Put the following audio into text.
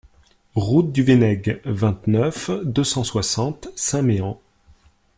Route du Venneg, vingt-neuf, deux cent soixante Saint-Méen